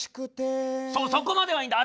そうそこまではいいんだ。